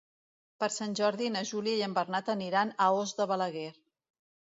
Per Sant Jordi na Júlia i en Bernat aniran a Os de Balaguer.